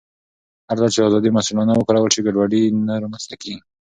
هرځل چې ازادي مسؤلانه وکارول شي، ګډوډي نه رامنځته کېږي.